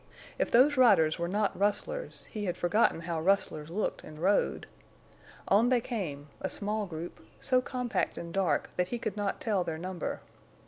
If those riders were not rustlers he had forgotten how rustlers looked and rode. On they came, a small group, so compact and dark that he could not tell their number.